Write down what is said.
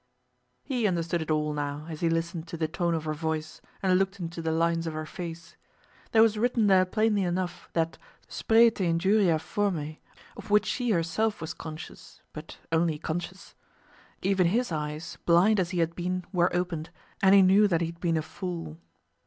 He understood it all now as he listened to the tone of her voice, and looked into the lines of her face. There was written there plainly enough that spretæ injuria formæ of which she herself was conscious, but only conscious. Even his eyes, blind as he had been, were opened, and he knew that he had been a fool.